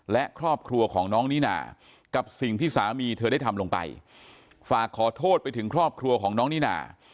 และครอบครัวของน้องนิน่ากับสิ่งที่สามีเธอได้ทำลงไปฝากขอโทษไปถึงครอบครัวของน้องนิน่า